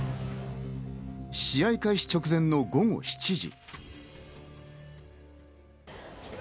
試合開始直前の午後７時。